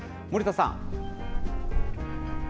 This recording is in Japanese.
森田さん。